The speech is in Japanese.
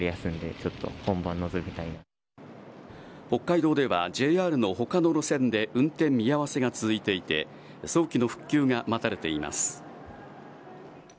北海道では、ＪＲの他の路線で運転見合わせが続いていて早期の復旧が待たれています。